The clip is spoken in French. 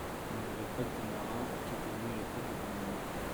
Il n’y avait pas que des marins qui étaient venus à la fête de Douarnenez.